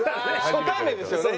初対面ですよね。